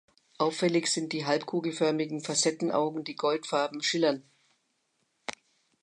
Auffällig sind die halbkugelförmigen Facettenaugen, die goldfarben schillern.